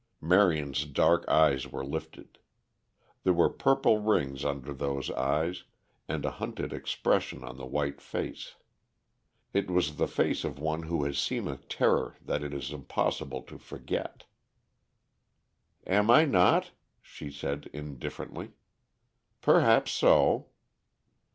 Marion's dark eyes were lifted. There were purple rings under those eyes and a hunted expression on the white face. It was the face of one who has seen a terror that it is impossible to forget. "Am I not?" she said indifferently. "Perhaps so."